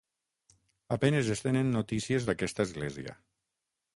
A penes es tenen notícies d'aquesta església.